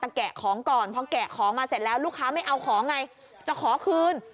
แต่แกะของก่อนพอแกะของมาเสร็จแล้วลูกค้าไม่เอาของไงจะขอคืน